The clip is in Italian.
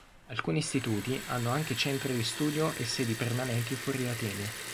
Alcuni istituti hanno anche centri di studio e sedi permanenti fuori Atene.